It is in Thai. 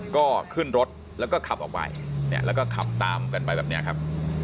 ก็ขึ้นรถแล้วก็ขับออกไปแล้วก็ขับตามกันไปแบบนี้ครับ